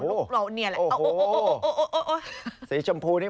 โอ้โหสีชมพูนี่